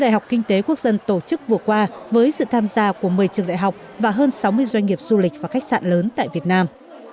đại học kinh tế quốc dân tổ chức vừa qua với sự tham gia của một mươi trường đại học và hơn sáu mươi doanh nghiệp du lịch và khách sạn lớn tại việt nam